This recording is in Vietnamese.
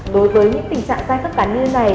đối với những tình trạng sai khớp cắn như này